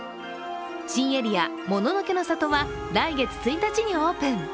新エリア・もののけの里は来月１日にオープン。